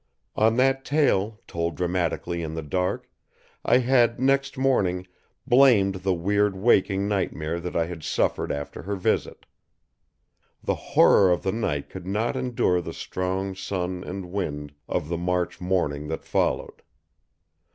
On that tale, told dramatically in the dark, I had next morning blamed the weird waking nightmare that I had suffered after her visit. The horror of the night could not endure the strong sun and wind of the March morning that followed.